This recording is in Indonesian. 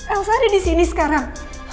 elsa ada disini sekarang